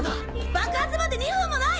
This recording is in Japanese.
爆発まで２分もない！